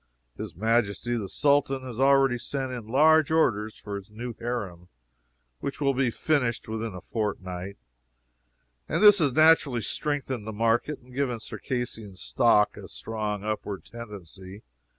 His Majesty the Sultan has already sent in large orders for his new harem, which will be finished within a fortnight, and this has naturally strengthened the market and given Circassian stock a strong upward tendency.